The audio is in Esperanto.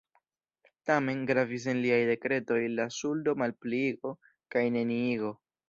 Tamen, gravis en liaj dekretoj la ŝuldo-malpliigo kaj -neniigo.